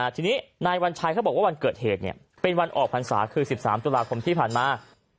ทีนี้นายวัญชัยเขาบอกว่าวันเกิดเหตุเป็นวันออกพรรษาคือ๑๓ตุลาคมที่ผ่านมา